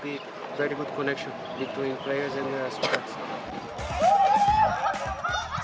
jadi saya pikir akan menjadi koneksi yang sangat baik antara pemain dan support